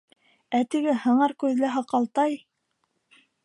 Ә теге һыңар күҙле һаҡалтай...